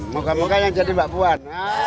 muka muka yang jadi mbak puan